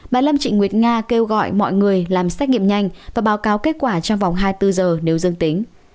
bà lâm trịnh nguyệt nga kêu gọi mọi người làm xét nghiệm nhanh và báo cáo kết quả trong vòng hai mươi bốn giờ nếu dương tính